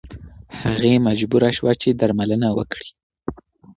هغې مجبوره شوه چې درملنه وکړي.